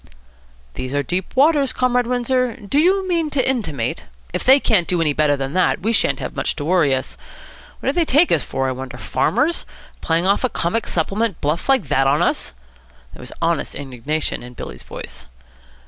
"These are deep waters, Comrade Windsor. Do you mean to intimate ?" "If they can't do any better than that, we shan't have much to worry us. What do they take us for, I wonder? Farmers? Playing off a comic supplement bluff like that on us!" There was honest indignation in Billy's voice.